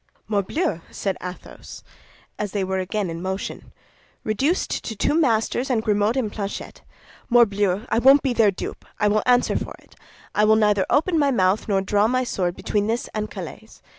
"Morbleu," said Athos, as soon as they were again in motion, "reduced to two masters and Grimaud and Planchet! Morbleu! I won't be their dupe, I will answer for it. I will neither open my mouth nor draw my sword between this and Calais.